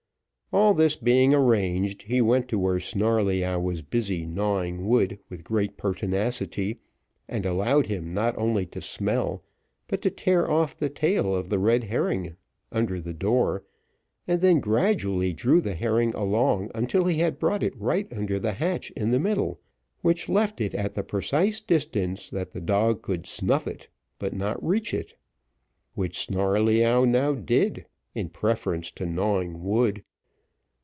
All this being arranged, he went to where Snarleyyow was busy gnawing wood with great pertinacity, and allowed him not only to smell, but to tear off the tail of the red herring, under the door; and then gradually drew the herring along until he had brought it right under the hatch in the middle, which left it at the precise distance that the dog could snuff it but not reach it, which Snarleyyow now did, in preference to gnawing wood.